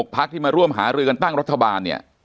พักที่มาร่วมหารือกันตั้งรัฐบาลเนี่ย